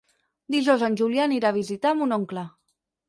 Dijous en Julià anirà a visitar mon oncle.